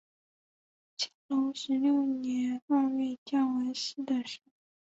乾隆十六年二月降为四等侍卫。